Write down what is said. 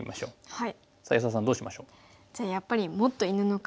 はい。